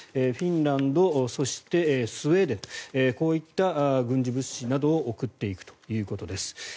フィンランドそしてスウェーデンこういった軍事物資などを送っていくということです。